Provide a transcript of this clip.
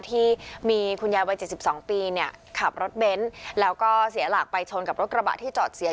ที่มีคุณยายวัย๗๒ปีเนี่ยขับรถเบนท์แล้วก็เสียหลักไปชนกับรถกระบะที่จอดเสีย